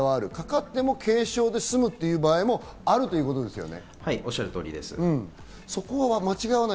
かかっても軽症で済むという場合もあるということですよね？